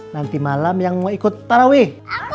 nanti malam yang mau ikut tarawih